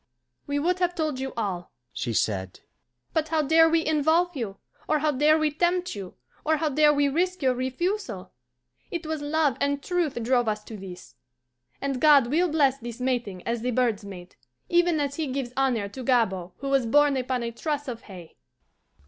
"We would have told you all," she said, "but how dare we involve you, or how dare we tempt you, or how dare we risk your refusal? It was love and truth drove us to this; and God will bless this mating as the birds mate, even as He gives honour to Gabord who was born upon a truss of hay."